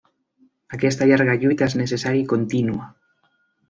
Aquesta llarga lluita és necessària i contínua.